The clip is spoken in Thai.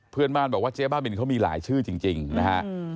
เพื่อนบ้านบอกว่าเจ๊บ้าบินเขามีหลายชื่อจริงนะฮะ